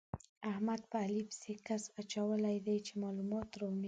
احمد په علي پسې کس اچولی دی چې مالومات راوړي.